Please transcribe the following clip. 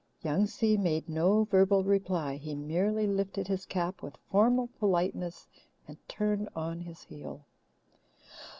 Young Si made no verbal reply. He merely lifted his cap with formal politeness and turned on his heel.